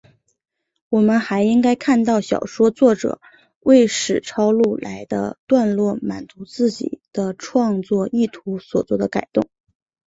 我们还应该看到小说作者为使抄录来的段落满足自己的创作意图所作的改动。